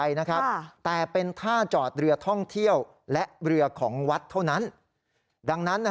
แล้วบางครั้งตรงโป๊ะก็มีประชาชนมาทำบุญปล่าตรงท่าเรือตรงโป๊ะดังกล่าวอยู่บ่อยครั้งนะครับ